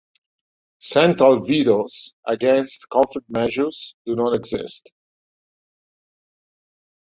Central vetoes "against" conflict measures do not exist.